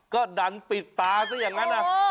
ก็ดันปิดตาซะอย่างนั้นนะ